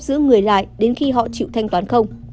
giữ người lại đến khi họ chịu thanh toán không